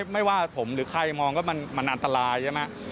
ไม่ว่าผมหรือใครมองก็มันอันตรายใช่ไหม